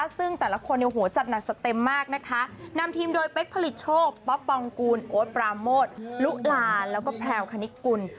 ซึ่งแต่ละคนเนี่ยหัวจัดหนักสเต็มมากนะคะนำทีมโดยเป๊กผลิตโชคป๊อปปองกูลโอ๊ตปราโมทลุลาแล้วก็แพลวคณิตกุล